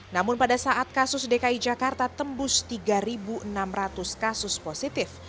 namun pada saat kasus dki jakarta tembus tiga enam ratus kasus positif